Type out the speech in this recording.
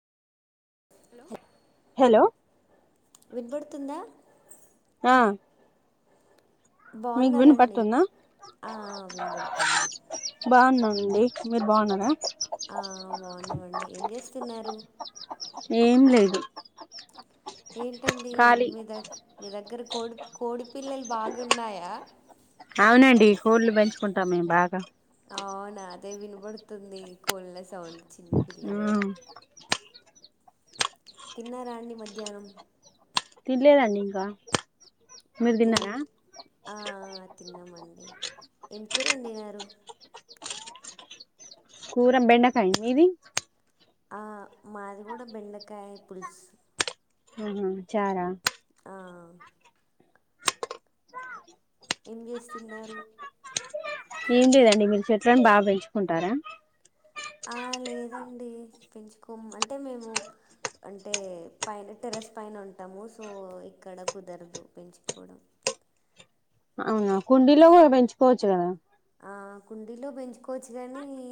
Hello వినపడుతుందా ఆ మీకు బాగున్నారండి వినపడుతుందా ఆ ఆ వినబడుతుంది అండి మీరు బాగున్నారా. ఆ బాగున్నామండి ఏం చేస్తున్నారు. ఏం లేదు ఏంటండి ఖాళీ మీ దగ్ మీ దగ్గరకు కోడి కోడి పిల్లలు బాగున్నాయా. అవునండి కోళ్లు పెంచుకుంటాం మేము బాగా అవునా అదే వినపడుతుంది కోళ్ల శ బ్ధం చిన్న పిల్లవి మ్మ్ తిన్నారాండి మధ్యాహ్నం. తిన్లేదండి ఇంకా మీరు ఏం తిన్నారా ఆ తిన్నామండి. ఏం కూరోండినారు. కూరెం బెండకాయి మీది ఆ మాది కూడా బెండకాయ్ పుల్స్ ఊహు చారా ఆ ఏం చేస్తున్నారు. ఏం లేదండి మీరు చెట్లని బాగ పెంచుకుంటారా ఆ లేదండి పెంచుకోము అంటే మేము అంటే పైన టెరస్ పైన ఉంటాము సో ఇక్కడ కుదరదు పెంచుకోవడం. అవునా కుండీలో కూడా పెంచుకోవచ్చు కదా ఆ కుండీలో పెంచుకోవచ్చు కానీ